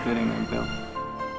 tidak ada yang ngempel